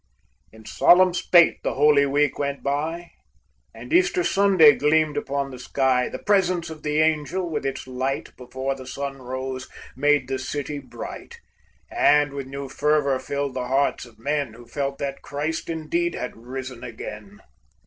In solemn state the Holy Week went by, And Easter Sunday gleamed upon the sky; The presence of the Angel, with its light, Before the sun rose, made the city bright, And with new fervor filled the hearts of men, Who felt that Christ indeed had risen again.